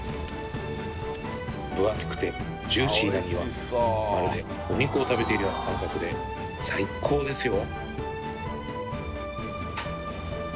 分厚くてジューシーな身はまるでお肉を食べているような感覚で最っ高ですよ